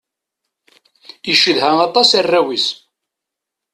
Icedha aṭas arraw-is.